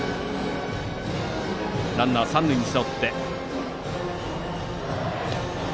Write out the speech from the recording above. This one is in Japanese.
ランナー、三塁に背負って。